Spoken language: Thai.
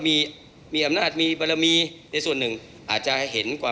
มีการที่จะพยายามติดศิลป์บ่นเจ้าพระงานนะครับ